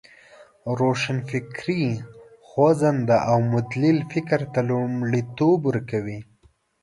روښانفکري خوځنده او مدلل فکر ته لومړیتوب ورکوی.